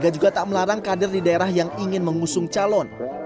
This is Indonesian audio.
juga tak melarang kader di daerah yang ingin mengusung calon